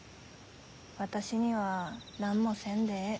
私には何もせんでえい